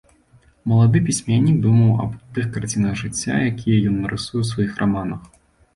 Малады пісьменнік думаў аб тых карцінах жыцця, якія ён нарысуе ў сваіх раманах.